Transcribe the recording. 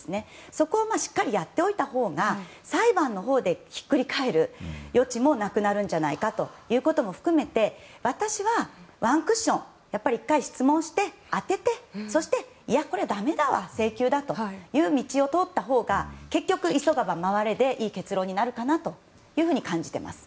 そこをしっかりやっておいたほうが裁判でひっくり返る余地もなくなるんじゃないかということも含めて私はワンクッション１回質問して当ててそして、いやこれはだめだ請求だという道を通ったほうが結局、急がば回れでいい結論になるかなと感じています。